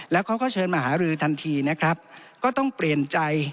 แล้วเขาก็เชิญมาหารือทันทีนะครับก็ต้องเปลี่ยนใจ